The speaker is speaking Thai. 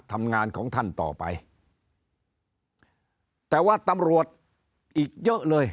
ทำงานของท่านต่อไปแต่ว่าตำรวจอีกเยอะเลย